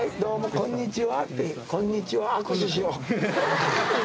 こんにちは。